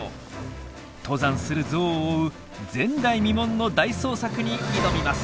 登山するゾウを追う前代未聞の大捜索に挑みます！